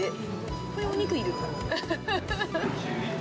これ、お肉いる。